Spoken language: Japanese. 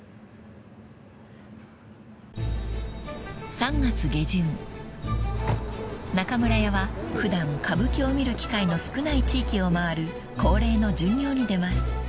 ［３月下旬中村屋は普段歌舞伎を見る機会の少ない地域を回る恒例の巡業に出ます］